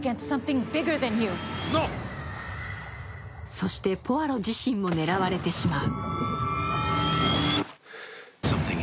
そして、ポアロ自身も狙われてしまう。